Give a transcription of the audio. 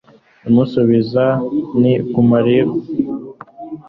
Ndamusubiza nti Guma rero